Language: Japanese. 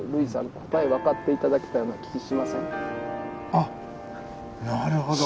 あっなるほど。